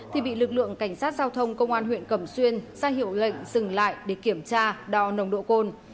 thì bị lực lượng cảnh sát giao thông công an huyện cẩm xuyên ra hiệu lệnh dừng lại để kiểm tra đo nồng độ cồn